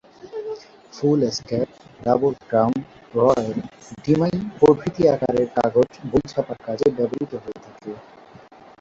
Foolscap, double crown, royal, demy প্রভৃতি আকারের কাগজ বই ছাপার কাজে ব্যবহৃত হয়ে থাকে।